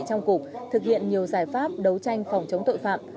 trong cục thực hiện nhiều giải pháp đấu tranh phòng chống tội phạm